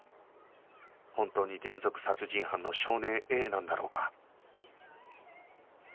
本当に連続殺人犯の少年 Ａ なんだろうか？